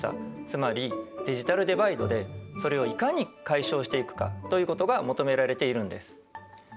つまりデジタルデバイドでそれをいかに解消していくかということが求められているんです。